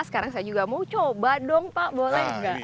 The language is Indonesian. sekarang saya juga mau coba dong pak boleh nggak